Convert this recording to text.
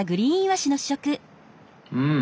うん！